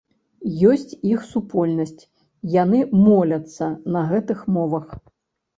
Ёсць іх супольнасць, яны моляцца на гэтых мовах.